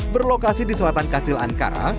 berlokasi di selatan kacil ankara